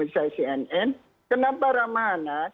cnn kenapa ramah anak